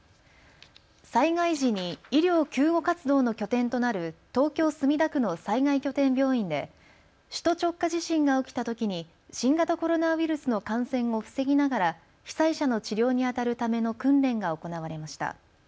災害時に医療・救護活動の拠点となる東京墨田区の災害拠点病院で首都直下地震が起きたときに新型コロナウイルスの感染を防ぎながら被災者の治療にあたるための訓練が行われました。